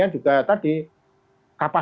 karena satu unitnya banyak